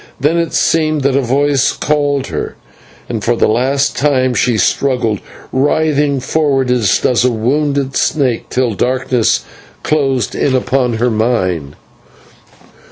Then it seemed that a voice called her, and for the last time she struggled, writhing forward as does a wounded snake, till darkness closed in upon her mind.